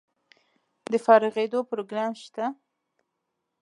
د فارغیدو پروګرام شته؟